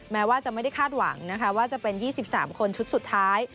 แม้ว่าจะไม่ได้คาดหวังนะคะว่าจะเป็น๒๓คนชุดสุดท้าย